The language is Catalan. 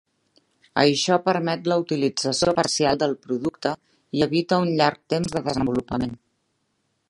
Això permet la utilització parcial del producte i evita un llarg temps de desenvolupament.